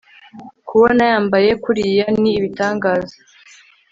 kubona yambaye kuriya ni ibtangaza